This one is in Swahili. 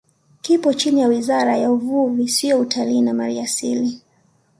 Kipo chini ya Wizara ya Uvuvi Sio Utalii na Maliasili